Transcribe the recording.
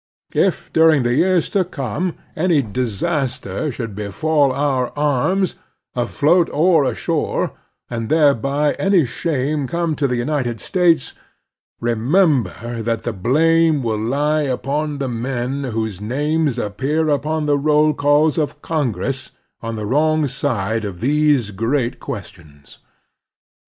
If, dtmng the years to come, any disaster should befall our arms, afloat or ashore, and thereby any shame come to the United States, remember that the blame will lie upon the men whose names appear upon the roll calls of Congress on the wrong side of these great questions.